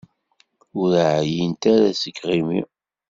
Ur εyint ara seg yiɣimi?